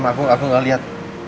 aku gak liat